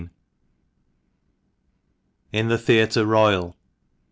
* IN THE THEATRE ROYAL.